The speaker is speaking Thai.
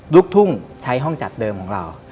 ลูกทุ่งใช้ห้องจัดเดิมของเรา